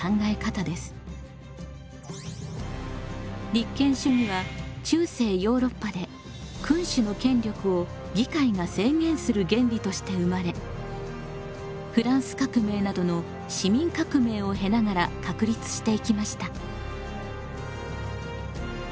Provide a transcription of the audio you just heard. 立憲主義は中世ヨーロッパで君主の権力を議会が制限する原理として生まれフランス革命などの市民革命を経ながら確立していきました。